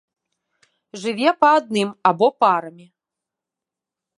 Жыве па адным або парамі.